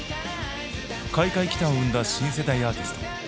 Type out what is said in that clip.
「廻廻奇譚」を生んだ新世代アーティスト。